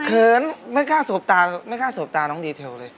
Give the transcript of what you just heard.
เขินไม่กล้าสบตาไม่กล้าสบตาน้องดีเทลเลย